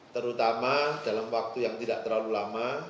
terutama dalam waktu yang tidak terlalu lama